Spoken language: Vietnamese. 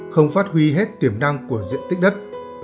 không phát huy hết tiềm năng của diện tích đất